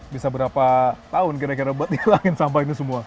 bisa berapa tahun kira kira buat ngilangin sampah ini semua